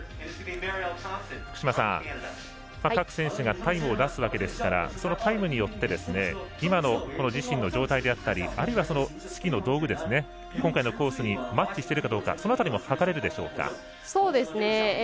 福島さん、各選手がタイムを出すわけですからそのタイムによって今の自身の状態だったりあるいはスキーの道具が今回のコースにマッチしているかどうかその辺りも測れるでしょうか。